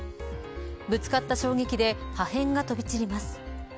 ぶつかった衝撃で破片が飛び散ります。